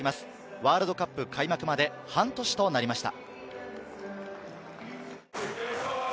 ワールドカップ開幕まで半年となりました。